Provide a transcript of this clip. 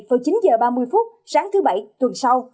vào chín h ba mươi phút sáng thứ bảy tuần sau